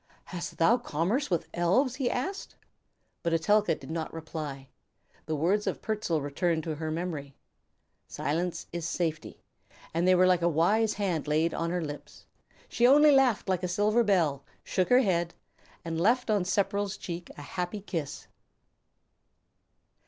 "Hast thou commerce with the elves?" he asked. But Etelka did not reply. The words of Pertzal recurred to her memory, "Silence is safety," and they were like a wise hand laid on her lips. She only laughed like a silver bell, shook her head, and left on Sepperl's cheek a happy kiss!